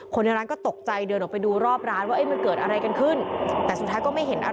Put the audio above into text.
ในร้านก็ตกใจเดินออกไปดูรอบร้านว่าเอ๊ะมันเกิดอะไรกันขึ้นแต่สุดท้ายก็ไม่เห็นอะไร